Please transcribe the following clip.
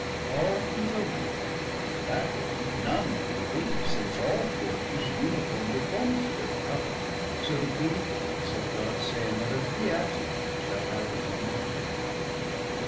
All things are one, and that one none can be, Since all formes, uniforme deformity 70 Doth cover, so that wee, except God say Another Fiat, shall have no more day.